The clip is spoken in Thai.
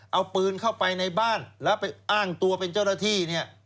เอาปืนเข้าไปในบ้านแล้วไปอ้างตัวเป็นเจ้าหน้าที่เนี่ย